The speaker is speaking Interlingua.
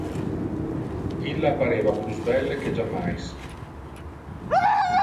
Illa pareva plus belle que jammais.